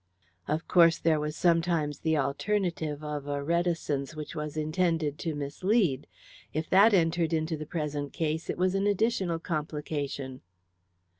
Of course, there was sometimes the alternative of a reticence which was intended to mislead. If that entered into the present case it was an additional complication.